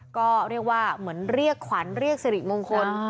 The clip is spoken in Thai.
ก็เรียกว่าเหมือนเรียกขวัญเรียกสิริมงคล